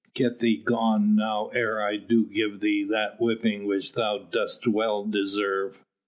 Get thee gone now ere I do give thee that whipping which thou dost well deserve."